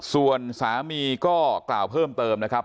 ส่วนสามีก็กล่าวเพิ่มเติมนะครับ